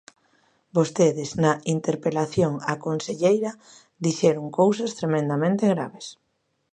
Vostedes, na interpelación á conselleira, dixeron cousas tremendamente graves.